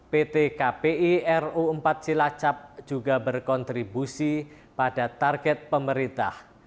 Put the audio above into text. pt kpi ru empat cilacap juga berkontribusi pada target pemerintah